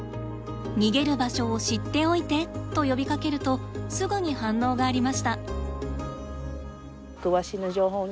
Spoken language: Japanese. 「逃げる場所を知っておいて」と呼びかけるとすぐに反応がありました。